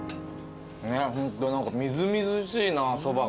ホント何かみずみずしいなそばが。